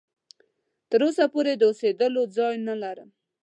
تر اوسه پوري د اوسېدلو ځای نه لرم.